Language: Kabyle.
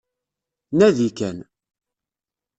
Nadi kan